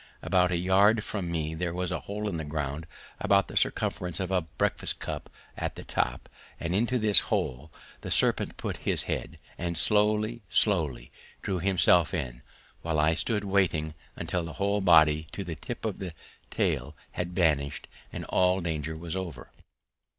About a yard from me there was a hole in the ground about the circumference of a breakfast cup at the top, and into this hole the serpent put his head and slowly, slowly drew himself in, while I stood waiting until the whole body to the tip of the tail had vanished and all danger was over.